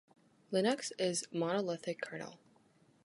Linux is a monolithic kernel.